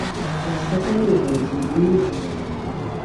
Ekika kya nnyoko okimanyi?